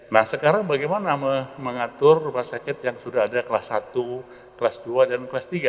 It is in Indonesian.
nah sekarang bagaimana mengatur rumah sakit yang sudah ada kelas satu kelas dua dan kelas tiga